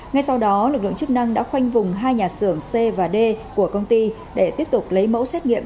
ngay sau đó lực lượng chức năng đã khoanh vùng hai nhà xưởng c và d của công ty để tiếp tục lấy mẫu xét nghiệm